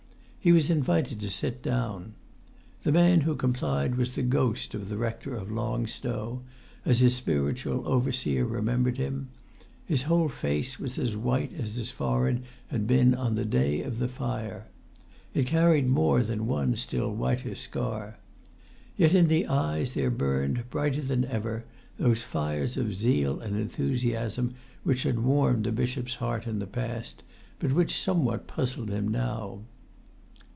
He was invited to sit down. The man who complied was the ghost of the Rector of Long Stow, as his spiritual overseer remembered him. His whole face was as white as his forehead had been on the day of the fire. It carried more than one still whiter scar. Yet in the eyes there burnt, brighter than ever, those fires of zeal and of enthusiasm which had warmed the bishop's heart in the past, but which somewhat puzzled him now.